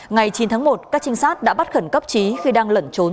ngày chín tháng một các trinh sát đã bắt khẩn cấp trí khi đang lẩn trốn